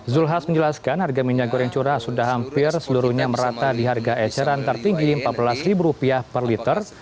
zulkifli hasan menjelaskan harga minyak goreng curah sudah hampir seluruhnya merata di harga eceran tertinggi rp empat belas per liter